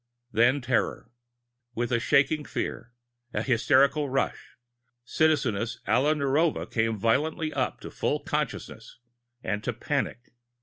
Then terror. With a shaking fear, a hysterical rush, Citizeness Alla Narova came violently up to full consciousness and to panic.